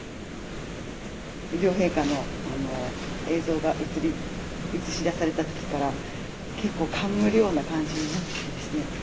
両陛下の映像が映し出された時から結構感無量な感じになってですね。